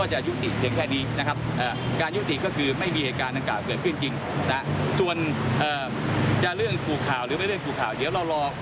หรือไม่จุดข่าวเดี๋ยวเรารอ